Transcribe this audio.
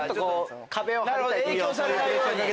影響されないように。